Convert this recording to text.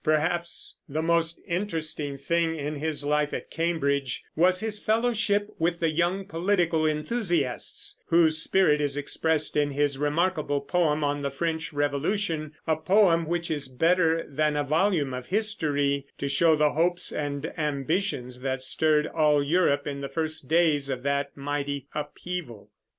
Perhaps the most interesting thing in his life at Cambridge was his fellowship with the young political enthusiasts, whose spirit is expressed in his remarkable poem on the French Revolution, a poem which is better than a volume of history to show the hopes and ambitions that stirred all Europe in the first days of that mighty upheaval.